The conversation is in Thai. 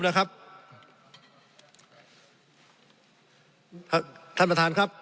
สงบจนจะตายหมดแล้วครับ